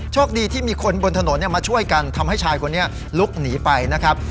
คดีที่มีคนบนถนนมาช่วยกันทำให้ชายคนนี้ลุกหนีไปนะครับ